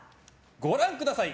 ご覧ください！